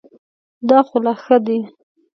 دا خو لا ښه دی .